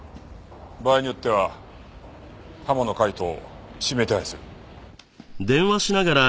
場合によっては浜野海斗を指名手配する。